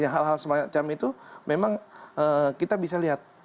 hal hal semacam itu memang kita bisa lihat